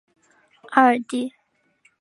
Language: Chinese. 阿尔蒂。